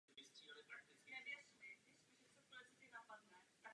Jejich činy byly v rozporu s jejich vůlí.